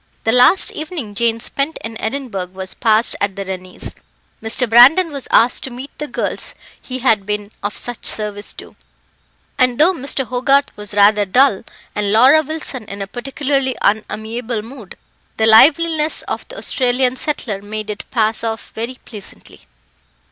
The last evening Jane spent in Edinburgh was passed at the Rennies'; Mr. Brandon was asked to meet the girls he had been of such service to, and though Mr. Hogarth was rather dull, and Laura Wilson in a particularly unamiable mood, the liveliness of the Australian settler made it pass off very pleasantly.